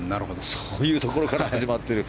そういうところから始まっている。